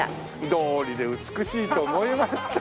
どおりで美しいと思いましたよ。